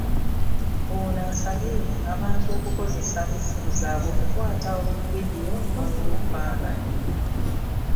Ono asabye abantu okukozesa essimu zaabwe okukwata buvidiyo n'ebifaananyi